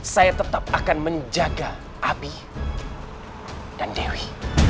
saya tetap akan menjaga abi dan dewi